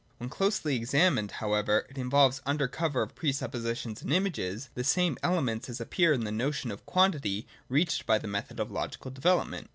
When closely examined, however, it involves, under cover of pre suppositions and images, the same elements as appear in the notion of quantity reached by the method of logical development.